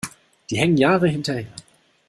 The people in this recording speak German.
Die hängen Jahre hinterher.